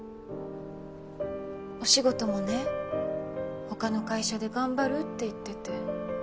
お仕事もね他の会社で頑張るって言ってて。